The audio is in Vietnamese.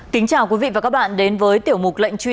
kính chào quý vị và các bạn đến với tiểu mục lệnh truy nã